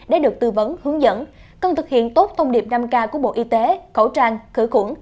để được tư vấn hướng dẫn cần thực hiện tốt thông điệp năm k của bộ y tế khẩu trang khử khuẩn